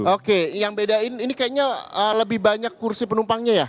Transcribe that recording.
oke yang bedain ini kayaknya lebih banyak kursi penumpangnya ya